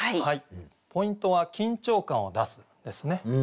ポイントは「緊張感を出す」ですね。